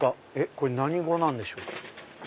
これ何語なんでしょう？